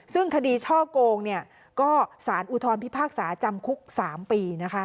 ซึ่งคดีช่อโกงก็สารอุทธรพิพากษาจำคุก๓ปี